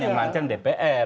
yang merancang dpr